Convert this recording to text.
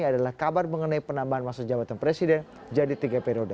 adalah kabar mengenai penambahan masa jabatan presiden jadi tiga periode